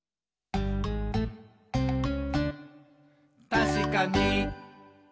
「たしかに！」